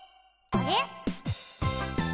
あれ？